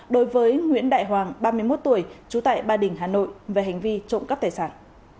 đối với nguyễn đại hoàng ba mươi một tuổi trú tại ba đình hà nội về hành vi trộm cắp tài sản